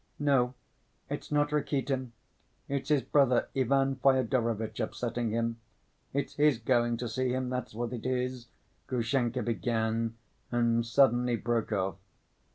"No, it's not Rakitin; it's his brother Ivan Fyodorovitch upsetting him. It's his going to see him, that's what it is," Grushenka began, and suddenly broke off.